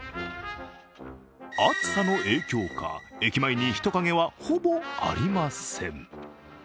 暑さの影響か、駅前に人影はほぼありません。